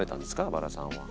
バラさんは。